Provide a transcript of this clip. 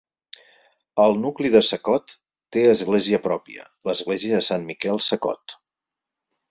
El nucli de Sacot té església pròpia: l'Església de Sant Miquel Sacot.